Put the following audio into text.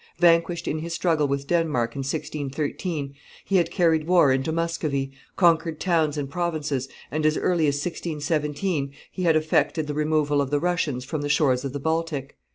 Vanquished in his struggle with Denmark in 1613, he had carried war into Muscovy, conquered towns and provinces, and as early as 1617 he had effected the removal of the Russians from the shores of the Baltic.